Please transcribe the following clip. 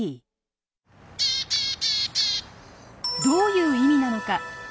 どういう意味なのか？